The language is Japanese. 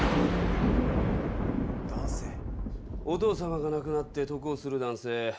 お父様が亡くなって得をする男性